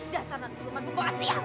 dasar nanti siluman bubuk asian